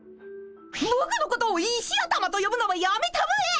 ぼくのことを石頭とよぶのはやめたまえ！